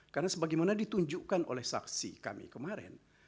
karena sebagaimana ditunjukkan oleh saksi kami kemarin